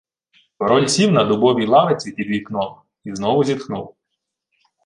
Король сів на дубовій лавиці під вікном і знову зітхнув.